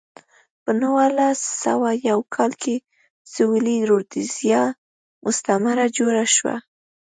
په نولس سوه یو کال کې سویلي رودزیا مستعمره جوړه شوه.